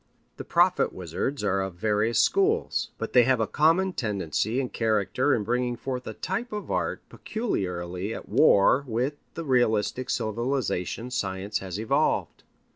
The prophet wizards are of various schools. But they have a common tendency and character in bringing forth a type of art peculiarly at war with the realistic civilization science has evolved.